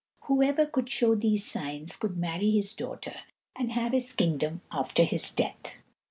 Whoever could show these signs should marry his daughter and have his kingdom after his death.